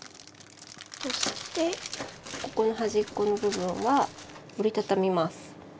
そしてここの端っこの部分は折り畳みます。